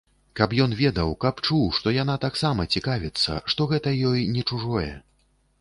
Каб ён ведаў, каб чуў, што яна таксама цікавіцца, што гэта ёй не чужое.